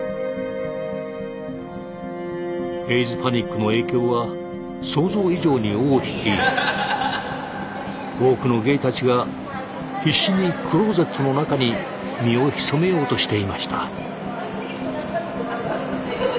エイズパニックの影響は想像以上に尾を引き多くのゲイたちが必死にクローゼットの中に身を潜めようとしていました。